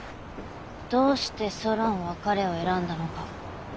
どうしてソロンは彼を選んだのか。